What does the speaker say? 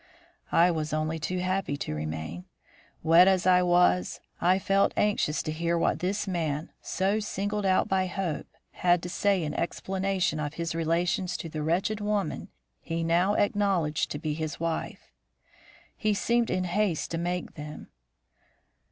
I was only too happy to remain. Wet as I was, I felt anxious to hear what this man so singled out by Hope had to say in explanation of his relations to the wretched woman he now acknowledged to be his wife. He seemed in haste to make them.